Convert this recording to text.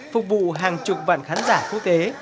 phục vụ hàng chục bạn khán giả phố tế